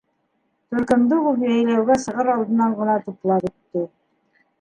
Төркөмдө ул йәйләүгә сығыр алдынан ғына туплап бөттө.